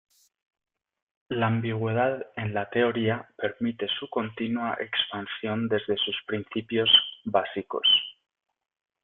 La ambigüedad en la teoría permite su continua expansión desde sus principios básicos.